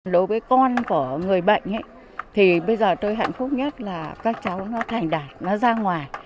đối với con của người bệnh thì bây giờ tôi hạnh phúc nhất là các cháu nó thành đạt nó ra ngoài